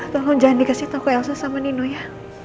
tolong jangan dikasih toko elsa sama nino ya